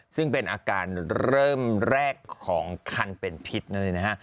ซึ่งเป็นอาการเริ่มแรกของคันเป็นพิษนั่นเองนะฮะ